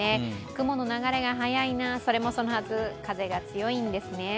雲の流れが速いなあ、それもそのはず、風が強いんですね。